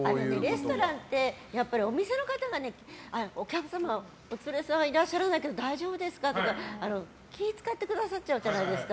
レストランってやっぱりお店の方がお客様、お連れ様いらっしゃらないですけど大丈夫ですか？とか気を使ってくださるじゃないですか。